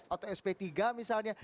atau sp tiga misalnya